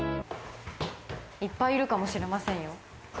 いっぱいいるかもしれませんよ。